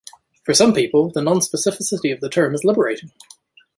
For some people, the non-specificity of the term is liberating.